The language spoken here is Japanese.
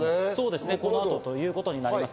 この後ということになります。